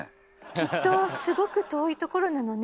きっとすごく遠いところなのね。